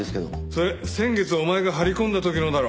それ先月お前が張り込んだ時のだろ。